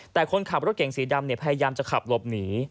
แต่คนขับรถเก่งสีดำพยายามจะขับหลบหนี